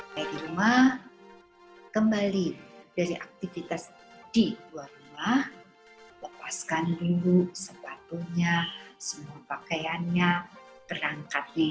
saya di rumah kembali dari aktivitas di luar rumah lepaskan rindu sepatunya semua pakaiannya perangkat yang digunakan